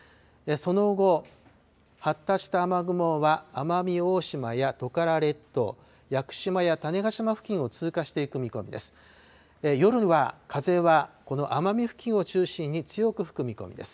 その後、発達した雨雲は奄美大島やトカラ列島、屋久島や種子島付近を通過していく見込みです。